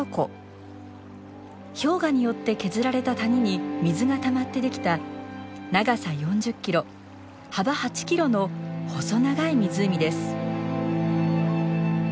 氷河によって削られた谷に水がたまってできた長さ４０キロ幅８キロの細長い湖です。